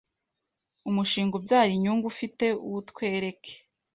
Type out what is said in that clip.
umushinga ubyara inyungu ufite wutwereke